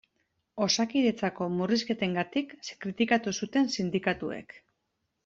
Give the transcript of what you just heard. Osakidetzako murrizketengatik kritikatu zuten sindikatuek.